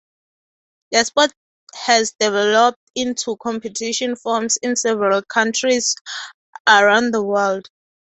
The sport has developed into competition forms in several countries around the world.